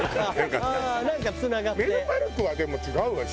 メルパルクはでも違うわよ。